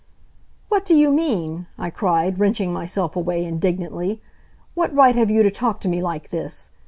"What do you mean!" I cried, wrenching myself away indignantly. "What right have you to talk to me like this?